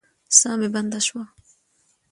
ساه مې بنده شوه.